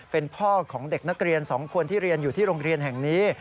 เป็นพ่อของเด็กนักเรียน๒คนที่เรียนอยู่ที่โรงเรียนแห่งนี้